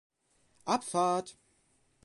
Abfahrt!